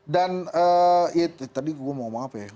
dan eh tadi gua mau ngomong apa ya